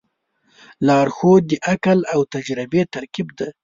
لارښود د عقل او تجربې ترکیب دی.